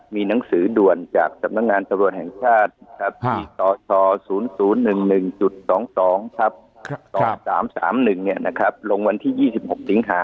มีหนังสือด่วนจากศัพท์ตรวจแห่งชาติที่ตศ๐๐๑๑๒๒๓๓๓๑ลงวันที่๒๖สศ